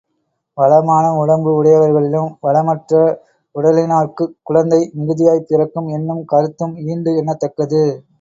வளமான உடம்பு உடையவர்களிலும் வளமற்ற உடலினார்க்குக் குழந்தை மிகுதியாய்ப் பிறக்கும் என்னும் கருத்தும் ஈண்டு எண்ணத் தக்கது.